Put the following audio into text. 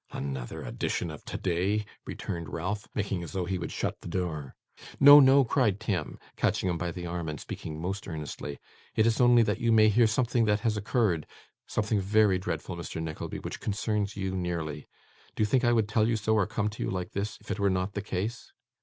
'Another edition of today!' returned Ralph, making as though he would shut the door. 'No, no!' cried Tim, catching him by the arm and speaking most earnestly; 'it is only that you may hear something that has occurred: something very dreadful, Mr. Nickleby, which concerns you nearly. Do you think I would tell you so or come to you like this, if it were not the case?